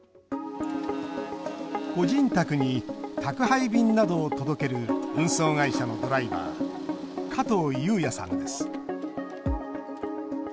個人宅に宅配便などを届ける運送会社のドライバー加藤優弥さんです。